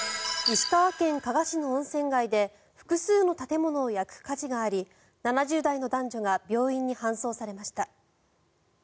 石川県加賀市の温泉街で複数の建物を焼く火事があり７０代の男女が病院に搬送されました。